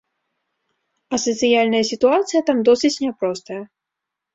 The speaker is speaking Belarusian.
А сацыяльная сітуацыя там досыць няпростая.